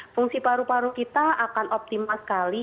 fungsi paru paru kita akan optimal sekali